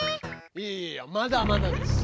いいやまだまだです。